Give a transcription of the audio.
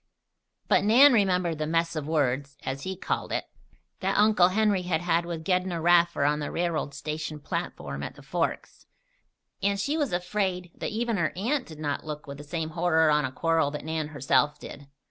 But Nan remembered the "mess of words" (as he called it) that Uncle Henry had had with Gedney Raffer on the railroad station platform at the Forks, and she was afraid that even her aunt did not look with the same horror on a quarrel that Nan herself did.